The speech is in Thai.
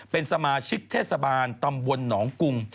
เป็นสมาชิกเทศบาลตำบลหนองกุง